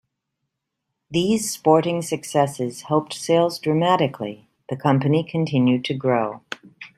These sporting successes helped sales dramatically, the company continued to grow.